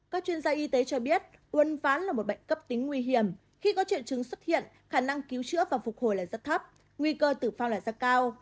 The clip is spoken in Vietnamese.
các chuyên gia y tế cho biết uốn ván là một bệnh cấp tính nguy hiểm khi có triệu chứng xuất hiện khả năng cứu chữa và phục hồi là rất thấp nguy cơ tử vong là rất cao